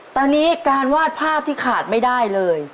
ตอนนี้การวาดภาพที่ขาดไม่ได้เลย